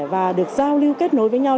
và được giao lưu kết nối với nhau